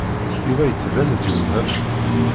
Yuba yettban-d yewhem.